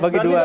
bagi dua ya